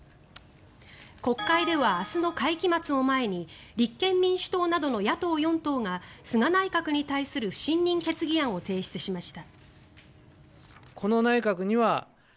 国会では明日の会期末を前に立憲民主党などの野党４党が菅内閣に対する不信任決議案を提出しました。